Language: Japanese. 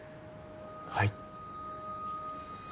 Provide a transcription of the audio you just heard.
はい。